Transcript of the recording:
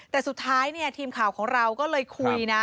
แต่สุดท้ายเนี่ยทีมข่าวของเราก็เลยคุยนะ